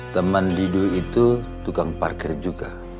teman didu itu tukang parkir juga